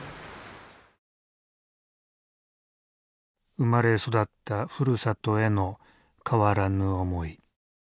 生まれ育ったふるさとへの変わらぬ思い。